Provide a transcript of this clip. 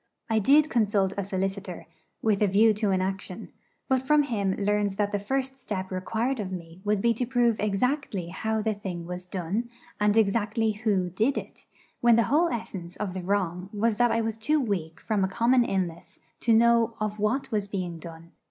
I did consult a solicitor, with a view to an action; but from him learned that the first step required of me would be to prove exactly how the thing was done, and exactly who did it, when the whole essence of the wrong was that I was too weak from a common illness to know of what was being done.